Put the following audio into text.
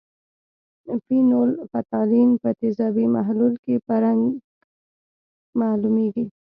فینول فتالین په تیزابي محلول کې په رنګ معلومیږي.